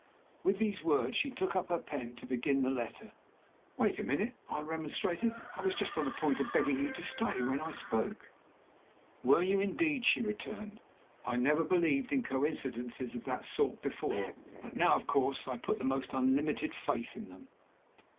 With those words she took up her pen to begin the letter. "Wait a minute," I remonstrated. "I was just on the point of begging you to stay when I spoke." "Were you, indeed?" she returned. "I never believed in coincidences of that sort before, but now, of course, I put the most unlimited faith in them!"